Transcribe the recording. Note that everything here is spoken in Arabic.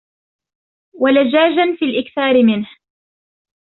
وَلَجَاجًا فِي الْإِكْثَارِ مِنْهُ